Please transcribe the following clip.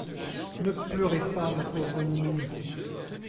«Ne pleurez pas, ma pauvre nounou.